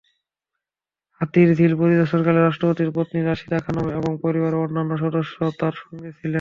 হাতিরঝিল পরিদর্শনকালে রাষ্ট্রপতির পত্নী রাশিদা খানম এবং পরিবারের অন্যান্য সদস্য তাঁর সঙ্গে ছিলেন।